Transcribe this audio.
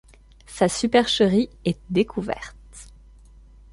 Sa supercherie est découverte.